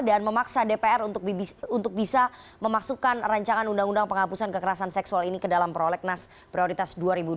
dan memaksa dpr untuk bisa memasukkan rancangan undang undang penghapusan kekerasan seksual ini ke dalam prolegnas prioritas dua ribu dua puluh satu